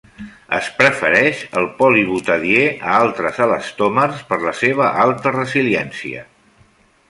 Es prefereix el polibutadiè a altres elastòmers per la seva alta resiliència.